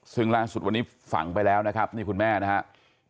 ซึ่งล่าสุดวันนี้ฝังไปแล้วนะครับนี่คุณแม่นะครับ